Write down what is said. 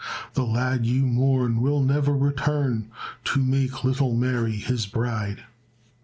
The lad you mourn will never return To make little Mary his bride."